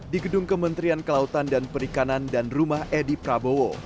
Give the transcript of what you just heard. di gedung kementerian kelautan dan perikanan dan rumah edi prabowo